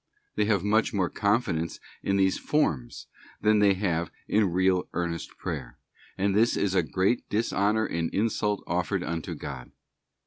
They have much more confidence in these forms than they have in real earnest prayer; and this is a great dishonour and insult offered unto God.